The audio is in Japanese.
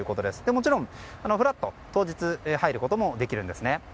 もちろん、ふらっと当日入ることもできるんですね。